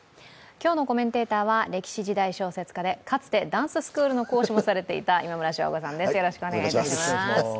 今日のコメンテーターは歴史・時代小説家でかつてダンススクールの講師もされていた今村翔吾さんです。